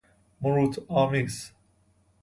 مروت آمیز